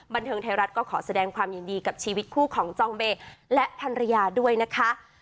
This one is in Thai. บันเทิงไทยรัฐก็ขอแสดงความยินดีกับชีวิตคู่ของจองเบย์และภรรยาด้วยนะคะ